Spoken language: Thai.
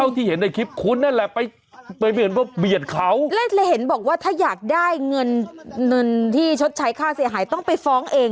เขาสิเห็นในคลิปคุณนั่นแหละไปเบียนเขาและมายนี่เห็นต่อแล้วมายนี่เป็นออยไดกว่าถ้าอยากได้การชดใชค่าเสียหายต้องไปฟ้องเอง